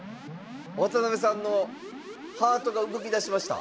渡辺さんのハートが動きだしました。